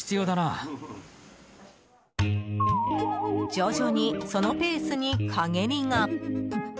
徐々にそのペースに陰りが。